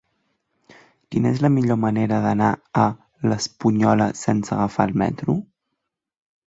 Quina és la millor manera d'anar a l'Espunyola sense agafar el metro?